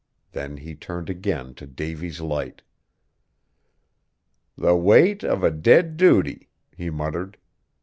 Then he turned again to Davy's Light. "The weight of a dead duty," he muttered.